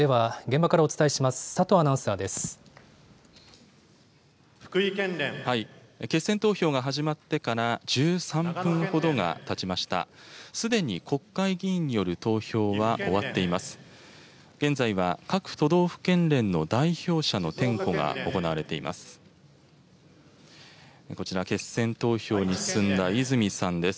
現在は各都道府県連の代表者の点呼が行われています。